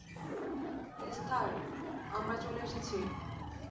Esther, আমরা চলে এসেছি।